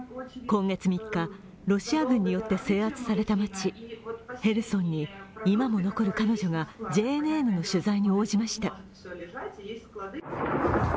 今月３日、ロシア軍によって制圧された街、ヘルソンに今も残る彼女がＪＮＮの取材に応じました。